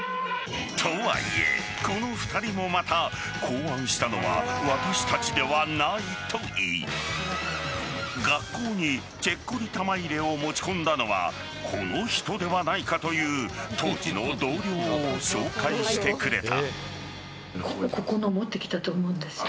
とはいえ、この２人もまた考案したのは私たちではないと言い学校にチェッコリ玉入れを持ち込んだのはこの人ではないかという当時の同僚を紹介してくれた。